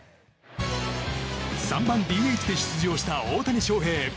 ３番ＤＨで出場した大谷翔平。